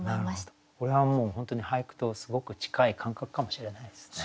これはもう本当に俳句とすごく近い感覚かもしれないですね。